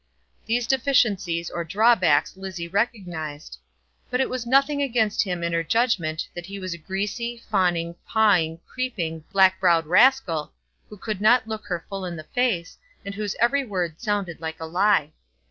These deficiencies or drawbacks Lizzie recognised. But it was nothing against him in her judgment that he was a greasy, fawning, pawing, creeping, black browed rascal, who could not look her full in the face, and whose every word sounded like a lie.